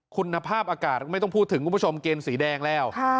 คุณภาพอากาศไม่ต้องพูดถึงคุณผู้ชมเกณฑ์สีแดงแล้ว